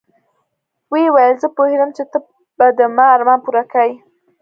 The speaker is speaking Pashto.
ويې ويل زه پوهېدم چې ته به د ما ارمان پوره کيې.